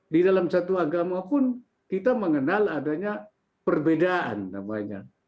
di dalam satu agama pun kita mengenal adanya perbedaan namanya